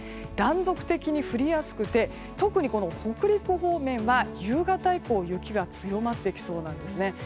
断続的に降りやすくて特に北陸方面は夕方以降、雪が強まってきそうなんですね。